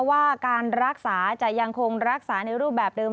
ว่าการรักษาจะยังคงรักษาในรูปแบบเดิม